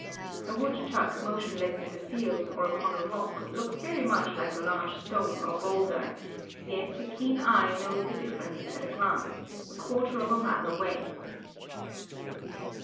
A woodchuck motionless in the fields or upon a rock looks very much like a large stone or bowlder, yet a keen eye knows the difference at a glance, a quarter of a mile away.